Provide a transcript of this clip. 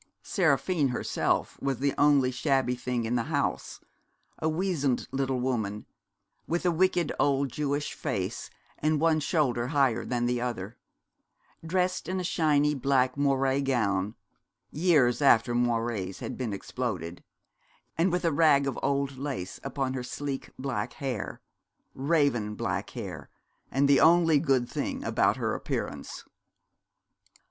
Seraphine herself was the only shabby thing in the house a wizened little woman, with a wicked old Jewish face, and one shoulder higher than the other, dressed in a shiny black moire gown, years after moires had been exploded, and with a rag of old lace upon her sleek black hair raven black hair, and the only good thing about her appearance.